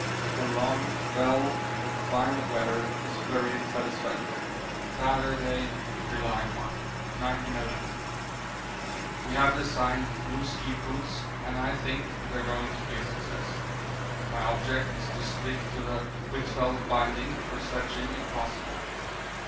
The long spell of fine weather is very satisfactory. Saturday, July 1, 1911. We have designed new ski boots and I think they are going to be a success. My object is to stick to the Huitfeldt binding for sledging if possible.